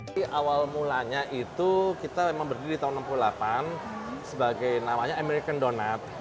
jadi awal mulanya itu kita memang berdiri tahun seribu sembilan ratus enam puluh delapan sebagai namanya american donut